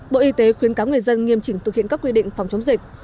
bộ y tế khuyến cáo người dân nghiêm chỉnh thực hiện các quy định phòng chống dịch